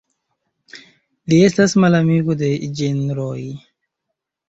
Li estas malamiko de ĝenroj.